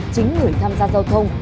chính người tham gia giao thông